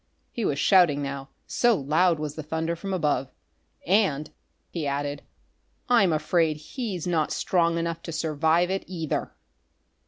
He was shouting now, so loud was the thunder from above. "And," he added, "I'm afraid he's not strong enough to survive it, either!"